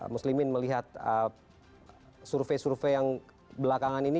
muslimin melihat survei survei yang belakangan ini